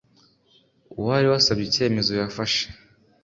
uwari wasabye icyemezo yafashe